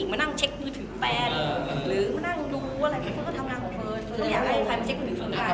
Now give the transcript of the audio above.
ทำงานที่หน้าของเธออยากให้ใครดูคะ